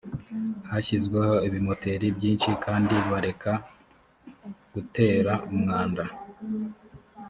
hashyizweho ibimoteri byinshi kandi bareka gutera umwanda